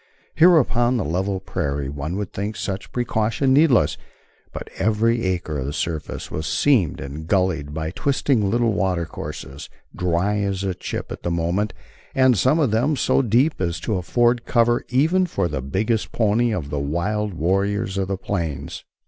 Here upon the level prairie one would think such precaution needless, but every acre of the surface was seamed and gullied by twisting little water courses, dry as a chip at the moment, and some of them so deep as to afford cover even for the biggest pony of the wild warriors of the plains.